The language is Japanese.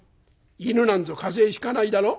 犬なんぞ風邪ひかないだろ？」。